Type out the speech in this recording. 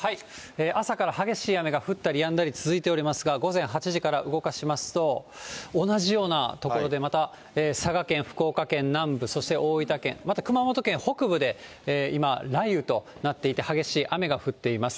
朝から激しい雨が降ったりやんだり、続いておりますが、午前８時から動かしますと、同じような所でまた佐賀県、福岡県南部、そして大分県、また熊本県北部で今、雷雨となっていて、激しい雨が降っています。